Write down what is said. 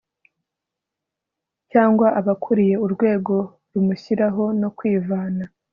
cyangwa abakuriye urwego rumushyiraho no kwivana